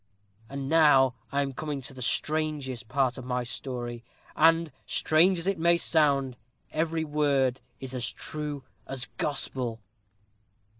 And now I am coming to the strangest part of my story and, strange as it may sound, every word is as true as Gospel."